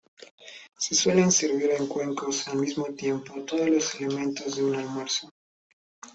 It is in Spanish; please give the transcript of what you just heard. Se suelen servir en cuencos, al mismo tiempo, todos los elementos de un almuerzo.